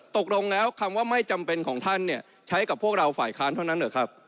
ตกลงแล้วคำว่าไม่จำเป็นของท่านเนี่ยใช้กับพวกเราฝ่ายค้านเท่านั้นเหรอครับ